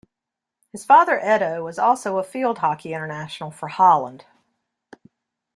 His father Edo was also a field hockey international for Holland.